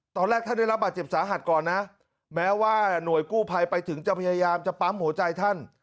ตอนแรกท่านได้รับบาดเจ็บสาหัสก่อนนะแม้ว่าหน่วยกู้ภัยไปถึงจะพยายามจะปั๊มหัวใจท่าน